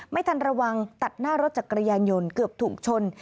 ไม่ทันระวังตัดหน้ารถจักรยานยนต์เกือบถูกชน